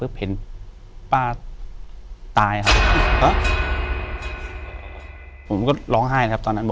อยู่ที่แม่ศรีวิรัยยิวยวลครับ